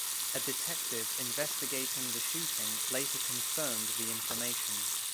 A detective investigating the shooting later confirmed the information.